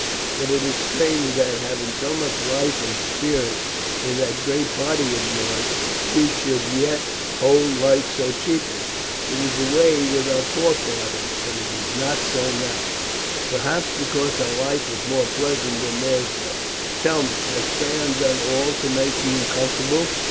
But it is strange that, having so much life and spirit in that great body of yours, you should yet hold life so cheaply. It was the way with our forefathers, but it is not so now, perhaps because our life is more pleasant than theirs was. Tell me, has Phaon done all to make you comfortable?